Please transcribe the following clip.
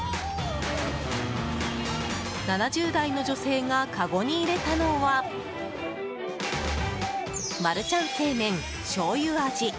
７０代の女性がかごに入れたのはマルちゃん正麺醤油味。